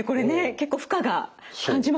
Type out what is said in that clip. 結構負荷が感じます。